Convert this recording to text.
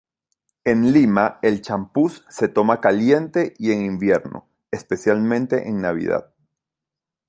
En Lima, el champús se toma caliente y en invierno, especialmente en Navidad.